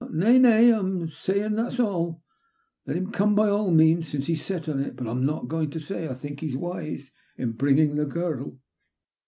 ''Nae! Nae ! Fm na' sayin* that at alL Let him come by all means since he's set on it. But I'm not going to say I think he's wise in bringing the girl."